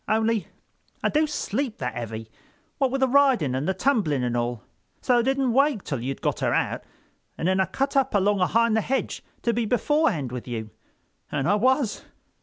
Only I do sleep that heavy, what with the riding and the tumbling and all. So I didn't wake till you'd got her out and then I cut up along ahind the hedge to be beforehand with you. An' I was.